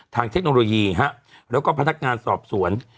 เทคโนโลยีแล้วก็พนักงานสอบสวน